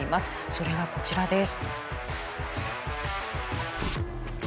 それがこちらです。